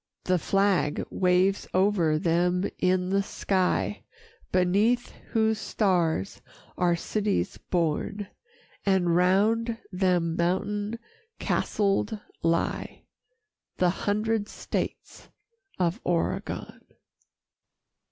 The flag waves o'er them in the sky Beneath whose stars are cities born, And round them mountain castled lie The hundred states of Oregon.